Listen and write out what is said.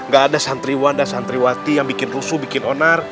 gak ada santriwan dan santriwati yang bikin rusuh bikin onar